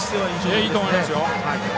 いいと思いますよ。